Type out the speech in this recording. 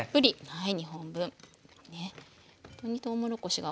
はい。